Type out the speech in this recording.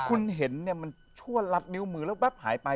คุณเห็นเนี่ยมันชั่วลัดนิ้วมือแล้วแป๊บหายไป